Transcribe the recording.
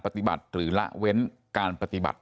ปฏิบัติหรือละเว้นการปฏิบัติ